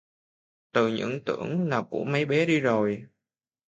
Từ những tưởng là mấy của bé đi rồi